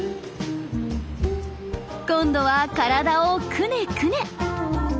今度は体をくねくね。